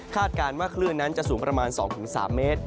การว่าคลื่นนั้นจะสูงประมาณ๒๓เมตร